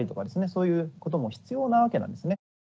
そういうことも必要なわけなんですね。